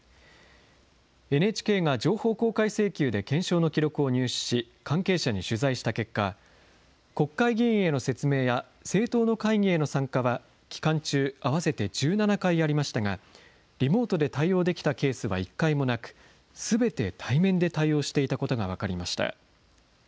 ＮＨＫが情報公開請求で検証の記録を入手し、関係者に取材した結果、国会議員への説明や政党の会議への参加は期間中、合わせて１７回ありましたが、リモートで対応できたケースは１回もなく、すべて対面で対応していたことが分かりました。